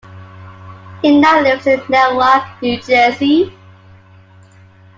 He now lives in Newark, New Jersey.